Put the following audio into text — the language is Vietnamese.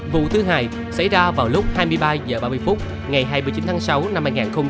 vụ thứ hai xảy ra vào lúc hai mươi ba h ba mươi phút ngày hai mươi chín tháng sáu năm hai nghìn hai mươi ba